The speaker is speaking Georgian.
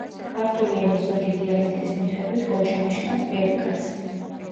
ქართული ენის ზოგი დიალექტის მიხედვით, გოჩა ნიშნავს „ბერიკაცს“.